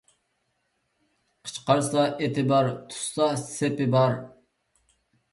قىچقارسا ئېتى بار، تۇتسا سېپى بار.